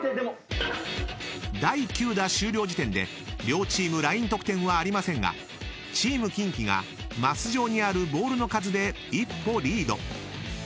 ［第９打終了時点で両チームライン得点はありませんがＴＥＡＭＫｉｎＫｉがマス上にあるボールの数で一歩リード］